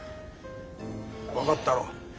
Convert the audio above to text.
分かったろ。